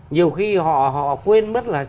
nhiều khi họ quên mất là